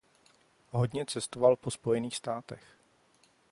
Hodně cestoval po Spojených státech.